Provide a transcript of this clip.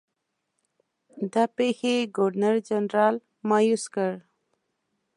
دا پیښې ګورنرجنرال مأیوس کړ.